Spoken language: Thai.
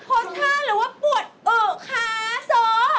เฮ่อเนี่ยมันค้กช่าหรือว่าปวดอืดค้าโซ่